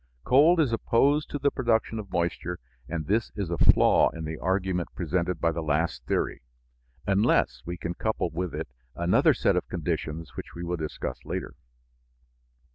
Cold is opposed to the production of moisture, and this is a flaw in the argument presented by the last theory, unless we can couple with it another set of conditions which we will discuss later.